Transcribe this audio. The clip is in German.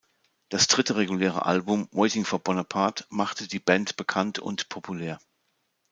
Das dritte reguläre Album "Waiting For Bonaparte" machte die Band bekannt und populär.